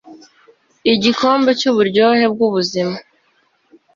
Igikombe cyuburyohe bwubuzima